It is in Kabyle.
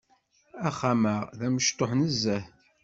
Axxam-a d amecṭuḥ nezzeh.